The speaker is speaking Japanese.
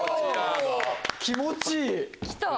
気持ちいい！来た！